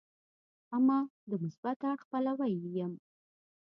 اما د مثبت اړخ پلوی یې یم.